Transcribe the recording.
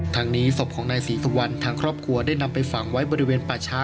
ทางนี้ศพของนายศรีสุวรรณทางครอบครัวได้นำไปฝังไว้บริเวณป่าช้า